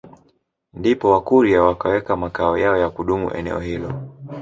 Ndipo wakurya wakaweka makao yao ya kudumu eneo hilo